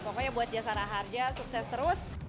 pokoknya buat jasara harja sukses terus